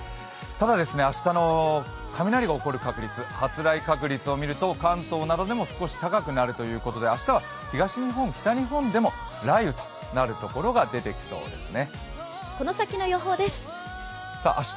ただ、明日の雷が起こる確率、発雷確率を見ると、関東などでも少し高くなるということで明日は東日本、北日本でも雷雨となる所が出てきそうですね。